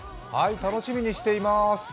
楽しみにしています。